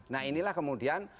nah inilah kemudian